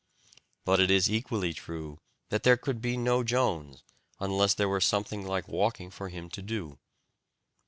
But it is equally true that there could be no Jones unless there were something like walking for him to do.